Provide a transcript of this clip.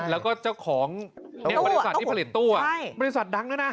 แล้วก็เจ้าของบริษัทที่ผลิตตู้บริษัทดังด้วยนะ